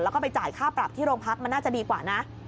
แล้วก็ไปจ่ายค่าปรับที่โรงพักมันน่าจะดีกว่านะ